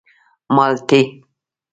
_مالټې.